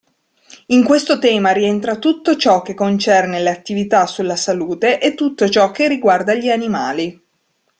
In questo tema rientra tutto ciò che concerne le attività sulla salute e tutto ciò che riguarda gli animali.